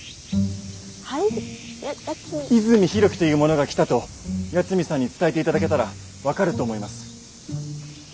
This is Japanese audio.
泉飛露樹という者が来たと八海さんに伝えて頂けたら分かると思います。